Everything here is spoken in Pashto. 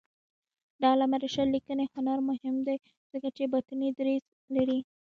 د علامه رشاد لیکنی هنر مهم دی ځکه چې باطني دریځ لري.